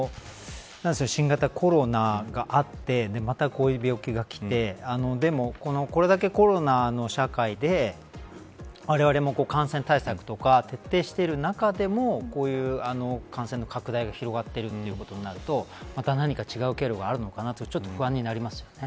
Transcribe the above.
新型コロナがあってまた、こういう病気がきてでも、これだけコロナの社会でわれわれも感染対策とか徹底している中でもこういう感性の拡大が広がっているということになるとまた何か違う経路があるのかなと不安になりますよね。